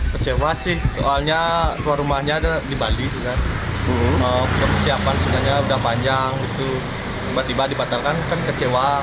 kecewa sih soalnya keluar rumahnya ada di bali persiapan sungainya udah panjang tiba tiba dibatalkan kan kecewa